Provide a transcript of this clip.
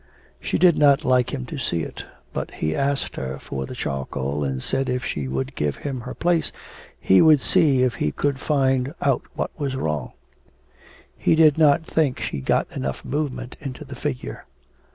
She did not like him to see it, but he asked her for the charcoal and said if she would give him her place he would see if he could find out what was wrong; he did not think she had got enough movement into the figure.